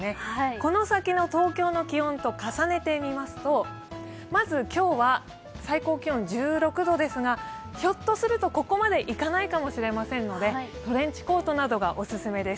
この先の東京の気温と重ねてみますと、まず今日は最高気温１６度ですが、ひょっとするとここまでいかないかもしれませんのでトレンチコートなどがオススメです。